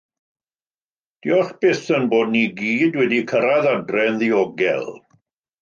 Diolch byth ein bod ni i gyd wedi cyrraedd adre'n ddiogel.